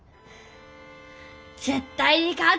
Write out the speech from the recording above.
絶対に勝つ。